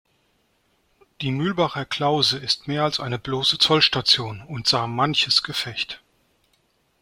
Die Mühlbacher Klause ist mehr als eine bloße Zollstation und sah manches Gefecht.